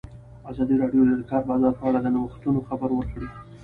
ازادي راډیو د د کار بازار په اړه د نوښتونو خبر ورکړی.